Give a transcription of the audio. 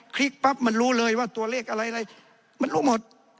พลิกปั๊บมันรู้เลยว่าตัวเลขอะไรอะไรมันรู้หมด